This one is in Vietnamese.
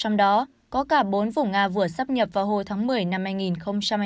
trong đó có cả bốn vùng nga vừa sắp nhập vào hồi tháng một mươi năm hai nghìn hai mươi